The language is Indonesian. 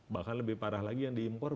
bahkan lebih parah lagi yang diimpor